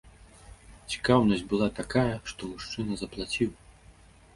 Цікаўнасць была такая, што мужчына заплаціў!